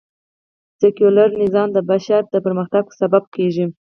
سکیولر نظام د بشر د پرمختګ سبب کېږي